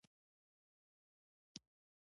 پکورې د ژوند یو خوندور تمثیل دی